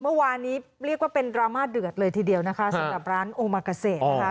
เมื่อวานนี้เรียกว่าเป็นดราม่าเดือดเลยทีเดียวนะคะสำหรับร้านโอมากาเซนะคะ